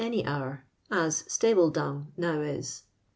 ny hour, as stable dung now is.